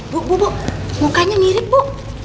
bu bu mukanya mirip bu